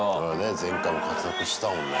前回も活躍したもんね。